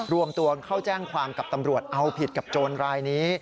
รวมตัวเข้าแจ้งความกับตำรวจเอาผิดกับโจรรายนี้